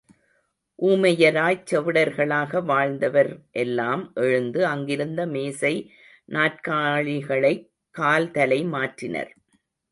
ஊமை யராய்ச் செவிடர்களாக வாழ்ந்தவர் எல்லாம் எழுந்து அங்கிருந்த மேசை நாற்காலிகளைக் கால் தலை மாற்றினர்.